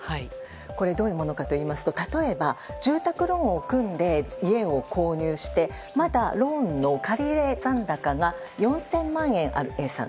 これ、どういうものかといいますと例えば住宅ローンを組んで家を購入してまだローンの借入残高が４０００万円あるＡさん。